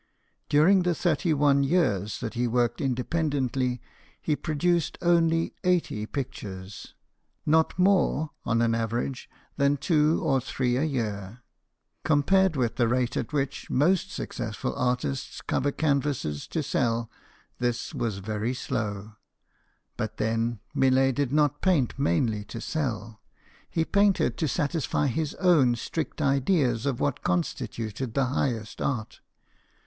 During the thirty one years that he worked indepen dently, he produced only eighty pictures not more, on an average, than two or three a year. Compared with the rate at which most success ful artists cover canvas to sell, this was very slow. But then, Millet did not paint mainly to sell ; he painted to satisfy his own strict ideas of what constituted the highest art.